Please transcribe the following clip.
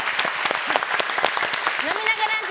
飲みながランチ！